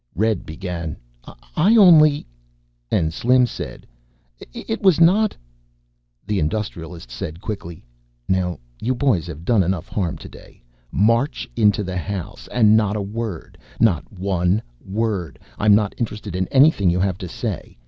Red began, "I only " And Slim said, "It was not " The Industrialist said, quickly, "Now you boys have done enough harm today. March! Into the house! And not a word; not one word! I'm not interested in anything you have to say.